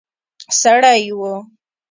سړی وو.